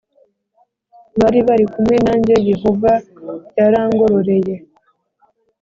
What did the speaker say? bari bari kumwe nanjye yehova yarangororeye